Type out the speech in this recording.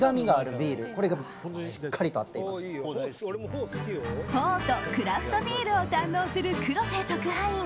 フォートクラフトビールを堪能する黒瀬特派員。